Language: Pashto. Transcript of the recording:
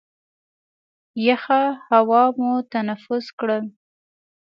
یخه هوا مو تنفس کړل.